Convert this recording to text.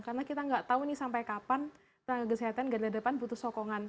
karena kita nggak tahu ini sampai kapan tenaga kesehatan ganda depan butuh sokongan